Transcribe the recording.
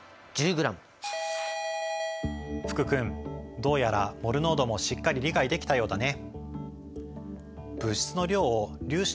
福君どうやらモル濃度もしっかり理解できたようだね。